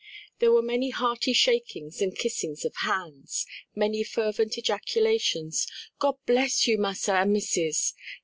There were many hearty shakings and kissings of hands; many fervent ejaculations: "God bless you, Massa and Missus!"